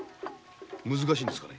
難しいんですか。